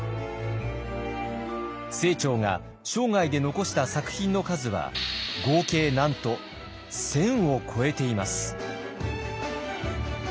清張が生涯で残した作品の数は合計なんと１，０００を超えています。